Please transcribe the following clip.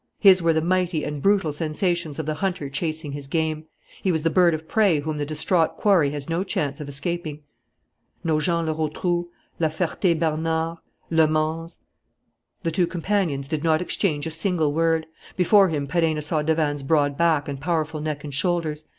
His were the mighty and brutal sensations of the hunter chasing his game. He was the bird of prey whom the distraught quarry has no chance of escaping. Nogent le Rotrou, La Ferté Bernard, Le Mans.... The two companions did not exchange a single word. Before him Perenna saw Davanne's broad back and powerful neck and shoulders.